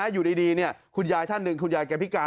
อยู่ดีคุณยายท่านหนึ่งคุณยายแกพิการ